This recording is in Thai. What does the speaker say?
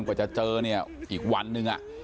กว่าจะเจออีกวันหนึ่ง